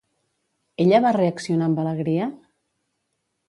Ella va reaccionar amb alegria?